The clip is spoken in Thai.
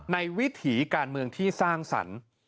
วิถีการเมืองที่สร้างสรรค์